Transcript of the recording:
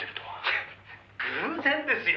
「フッ偶然ですよ。